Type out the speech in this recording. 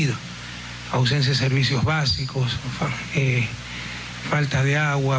kekalangan servis kegagalan air kegagalan elektrik dan lain lain